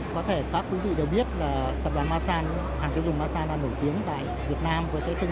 có thể các quý vị đều biết là tập đoàn hàng tiêu dùng masan nổi tiếng tại việt nam với thương